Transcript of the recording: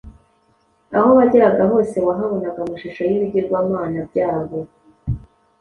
Aho wageraga hose wahabonaga amashusho y’ibigirwamana byabo